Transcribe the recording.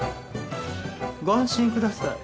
ご安心ください。